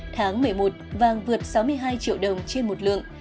tháng một mươi một vàng vượt sáu mươi hai triệu đồng trên một lượng